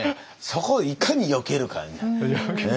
そこをいかによけるかやんな。